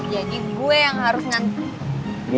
jadi gue yang harus nganterin